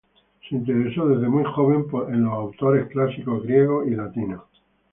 Se interesó desde muy joven en los autores clásicos griegos y latinos.